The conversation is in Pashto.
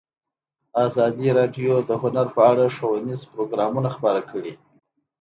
ازادي راډیو د هنر په اړه ښوونیز پروګرامونه خپاره کړي.